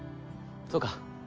そうか。